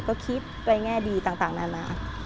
ก็คิดไปแง่ดีต่างนานา